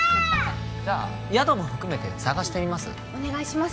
じゃあ宿も含めて探してみますお願いします